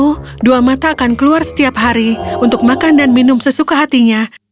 untuk dua mata akan keluar setiap hari untuk makan dan minum sesuka hatinya